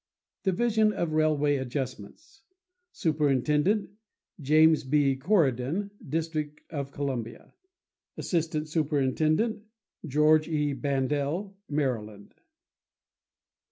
Division of Railway Adjustments.— Superintendent.—James B. Corridon, District of Columbia. Assistant Superintendent.—George E. Bandel, Maryland.